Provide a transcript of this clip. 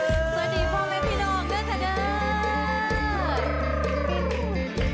สวัสดีพ่อแม่พี่น้องด้วยเถอะเด้อ